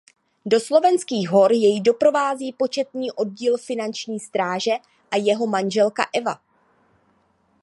Do slovenských hor jej doprovází početný oddíl finanční stráže a jeho manželka Eva.